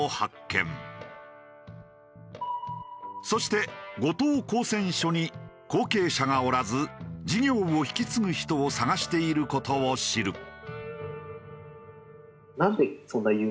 そして後藤鉱泉所に後継者がおらず事業を引き継ぐ人を探している事を知る。